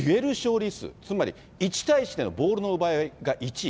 利数、つまり１対１でのボールの奪い合いが１位。